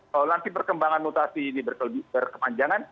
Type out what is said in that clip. kalau nanti perkembangan mutasi ini berkepanjangan